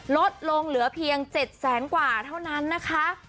ลดลงเหลือเพียง๗แสนกว่าเท่านั้นนะคะ